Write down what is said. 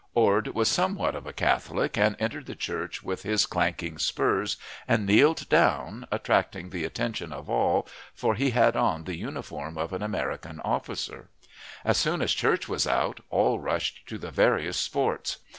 Ord was somewhat of a Catholic, and entered the church with his clanking spars and kneeled down, attracting the attention of all, for he had on the uniform of an American officer. As soon as church was out, all rushed to the various sports.